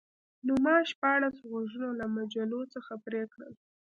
نو ما شپاړس غوږونه له مجلو څخه پرې کړل